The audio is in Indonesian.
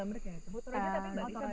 kemana mana di danau toska